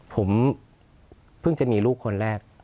ผมเพิ่งจะมีลูกคนแรก